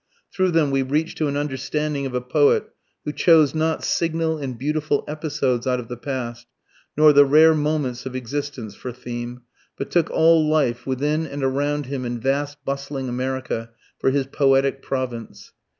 Through them we reach to an understanding of a poet who chose not signal and beautiful episodes out of the past, nor the rare moments of existence, for theme, but took all life, within and around him in vast bustling America, for his poetic province.